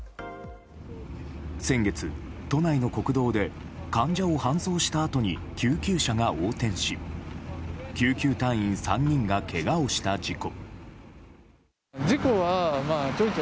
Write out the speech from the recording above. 先月、都内の国道で患者を搬送したあとに救急車が横転し救急隊員３人がけがをした事故。